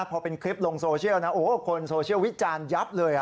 พอเป็นคลิปลงโซเชียลนะโอ้โหคนโซเชียลวิจารณ์ยับเลย